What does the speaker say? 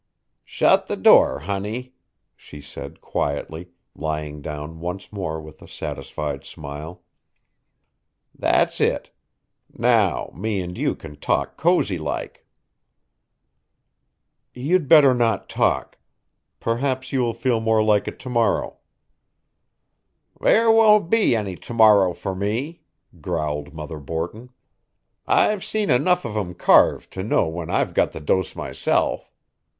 "Shut the door, honey," she said quietly, lying down once more with a satisfied smile. "That's it. Now me and you can talk cozy like." "You'd better not talk. Perhaps you will feel more like it to morrow." "There won't be any to morrow for me," growled Mother Borton. "I've seen enough of 'em carved to know when I've got the dose myself.